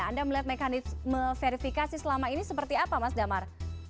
anda melihat mekanisme verifikasi selama ini seperti apa mas damar